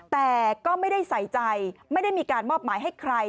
แต่ก็ไม่ได้ใส่ใจไม่ได้มีการมอบหมายให้ใคร